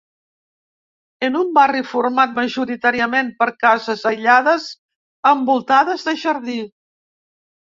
En un barri format majoritàriament per cases aïllades envoltades de jardí.